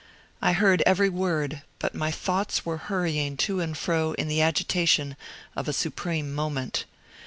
I heard every word, but my thoughts were hurrying to and fro in the agitation of a supreme moment.